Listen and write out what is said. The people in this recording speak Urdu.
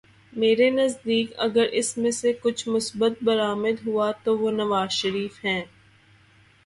میرے نزدیک اگر اس میں سے کچھ مثبت برآمد ہوا تو وہ نواز شریف ہیں۔